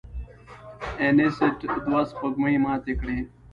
انیسټ دوه سپوږمۍ ماتې کړې.